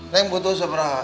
neng butuh seberapa